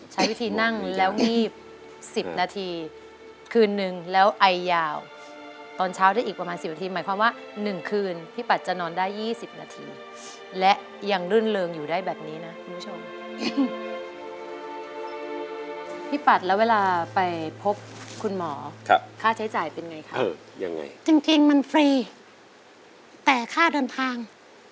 ใช้วิธีนั่งแล้วงีบ๑๐นาทีคืนนึงแล้วไอยาวตอนเช้าได้อีกประมาณสิบนาทีหมายความว่า๑คืนพี่ปัดจะนอนได้๒๐นาทีและยังรื่นเริงอยู่ได้แบบนี้นะคุณผู้ชมพี่ปัดแล้วเวลาไปพบคุณหมอค่าใช้จ่ายเป็นไงคะยังไงจริงมันฟรีแต่ค่าเดินทาง